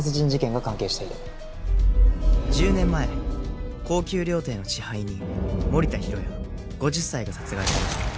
１０年前高級料亭の支配人森田広也５０歳が殺害された。